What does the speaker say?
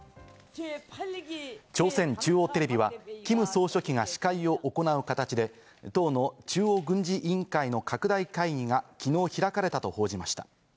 朝鮮中央テレビはキム総書記が司会を行う形で党の中央軍事委員会の拡大会議が、昨日開かれたと報じました。